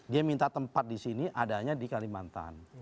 dia minta tempat di sini adanya di kalimantan